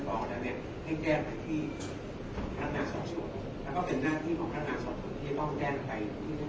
เอ่อสอบอีกครั้งมีงานกี่ป่าไม่ต้องกำลังครับจะสอบหลักครั้งหนึ่งครับ